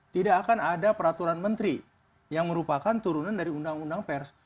tidak akan ada peraturan menteri yang merupakan turunan dari undang undang pers